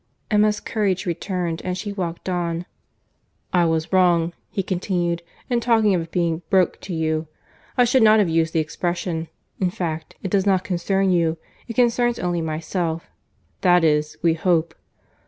Emma's courage returned, and she walked on. "I was wrong," he continued, "in talking of its being broke to you. I should not have used the expression. In fact, it does not concern you—it concerns only myself,—that is, we hope.